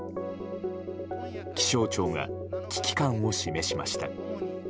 気象庁が危機感を示しました。